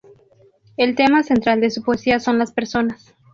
El tema central de su poesía son las personas.